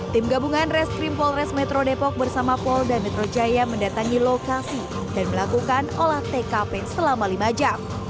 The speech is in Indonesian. tim gabungan reskrim polres metro depok bersama polda metro jaya mendatangi lokasi dan melakukan olah tkp selama lima jam